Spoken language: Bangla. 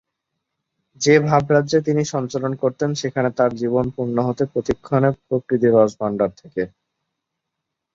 যে ভাবরাজ্যে তিনি সঞ্চরণ করতেন সেখানে তাঁর জীবন পূর্ণ হত প্রতিক্ষণে প্রকৃতির রসভাণ্ডার থেকে।